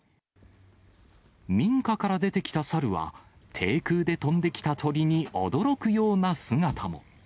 民家から出てきた猿は、低空で飛んできた鳥に驚くような姿も。